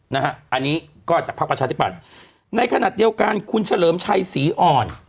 นะฮะอันนี้ก็จากภักดิ์ประชาธิปัตย์ในขณะเดียวกันคุณเฉลิมชัยศรีอ่อน